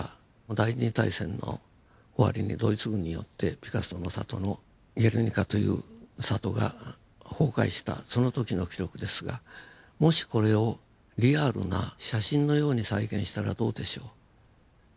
第２次大戦の終わりにドイツ軍によってピカソの里のゲルニカという里が崩壊したその時の記録ですがもしこれをリアルな写真のように再現したらどうでしょう。